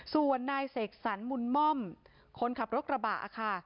ส่วนนายเสกสรรมุนม่อมคนขับรถกระบะค่ะ